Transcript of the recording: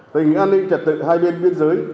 tình hình an ninh trật tự hai bên biên giới